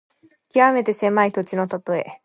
きわめて狭い土地のたとえ。